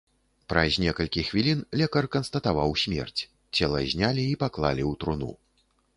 Праз некалькі хвілін лекар канстатаваў смерць, цела знялі і паклалі ў труну.